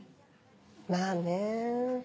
まぁね。